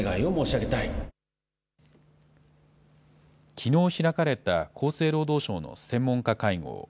きのう開かれた厚生労働省の専門家会合。